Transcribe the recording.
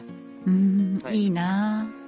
うんいいなあ。